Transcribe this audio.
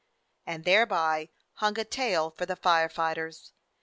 And thereby hung a tale for the fire fighters.